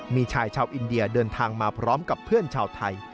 มีชายชาวอินเดียเดินทางมาพร้อมกับเพื่อนชาวไทย